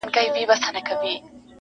نن مي خیال خمار خمار لکه خیام دی.